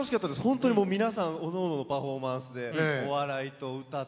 本当に皆さんおのおののパフォーマンスでお笑いと歌と。